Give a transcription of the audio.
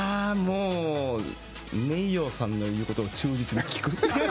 ｍｅｉｙｏさんの言うことを忠実に聞く。